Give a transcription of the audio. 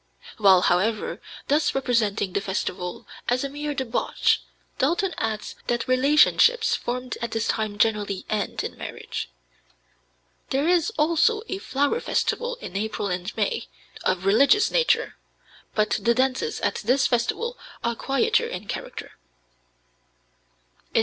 While, however, thus representing the festival as a mere debauch, Dalton adds that relationships formed at this time generally end in marriage. There is also a flower festival in April and May, of religious nature, but the dances at this festival are quieter in character.